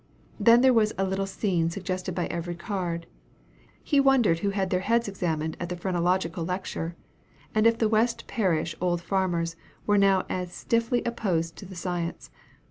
Then there was a little scene suggested by every card; he wondered who had their heads examined at the Phrenological lecture; and if the West Parish old farmers were now as stiffly opposed to the science.